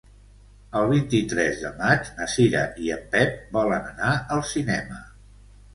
El vint-i-tres de maig na Cira i en Pep volen anar al cinema.